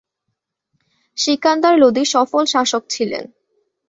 সিকান্দার লোদি সফল শাসক ছিলেন।